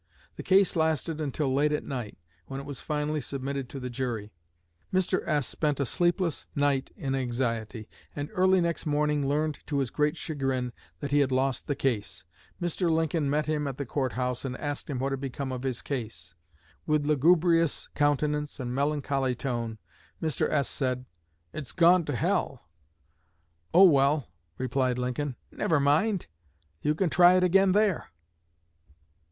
The case lasted until late at night, when it was finally submitted to the jury. Mr. S. spent a sleepless night in anxiety, and early next morning learned, to his great chagrin, that he had lost the case. Mr. Lincoln met him at the court house and asked him what had become of his case. With lugubrious countenance and melancholy tone, Mr. S. said, 'It's gone to hell!' 'Oh, well!' replied Lincoln, 'Never mind, you can try it again there!'"